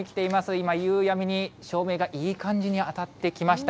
今、夕闇に照明がいい感じに当たってきました。